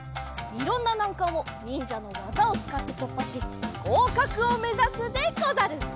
いろんななんかんをにんじゃのわざをつかってとっぱしごうかくをめざすでござる。